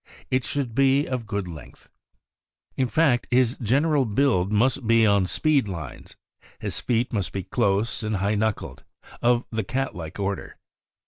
It should be of good length. In fact, his general build must be on speed lines. His feet must be close and high knuckled, of the cat like order.